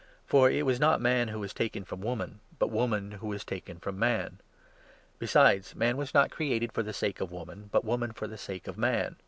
For it was not man who was taken from 8 woman, but woman who was taken from man. Besides, man 9 was not created for the sake of woman, but woman for the sake of man.